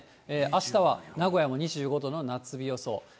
あしたは名古屋も２５度の夏日予想。